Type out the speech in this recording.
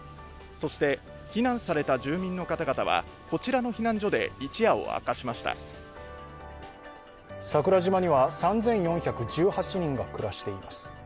そして避難された住民の方々はこちらの避難所で桜島には３４１８人が暮らしています。